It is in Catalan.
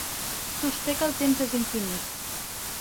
Sosté que el temps és infinit.